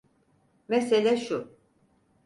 Mesele şu: